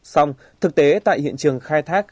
xong thực tế tại hiện trường khai thác